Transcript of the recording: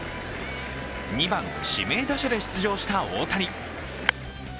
２番・指名打者で出場した大谷。